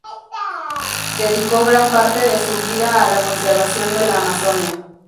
Dedicó gran parte de su vida a la conservación de la Amazonia.